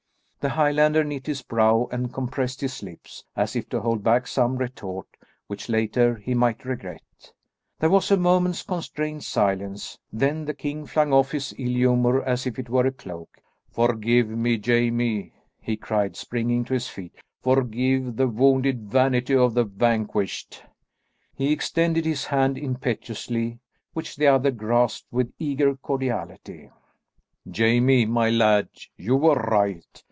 The Highlander knit his brow and compressed his lips, as if to hold back some retort which later he might regret. There was a moment's constrained silence, then the king flung off his ill humour as if it were a cloak. "Forgive me, Jamie," he cried, springing to his feet. "Forgive the wounded vanity of the vanquished." He extended his hand impetuously, which the other grasped with eager cordiality. "Jamie, my lad, you were right.